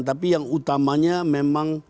tapi yang utamanya memang